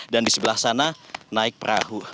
di sebelah sana naik perahu